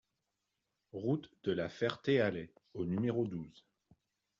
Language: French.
Route de la Ferté-Alais au numéro douze